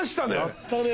やったね。